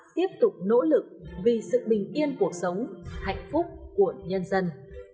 tiếp tục nỗ lực vì sự bình yên cuộc sống hạnh phúc của nhân dân